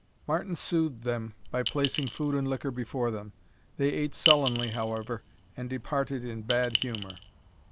Martin soothed them by placing food and liquor before them. They ate sullenly, however, and departed in bad humour.